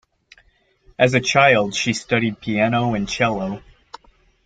As a child she studied piano and cello.